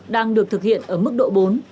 đang được thực hiện ở mức độ bốn